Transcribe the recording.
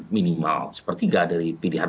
minimal seperti dari pilihan